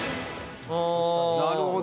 なるほど。